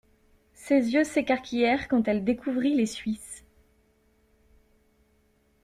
Ses yeux s'écarquillèrent quand elle découvrit les Suisses.